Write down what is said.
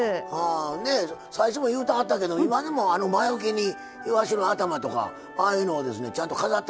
ねえ最初も言うてはったけど今でも魔よけにいわしの頭とかああいうのをですねちゃんと飾ってはるんですか。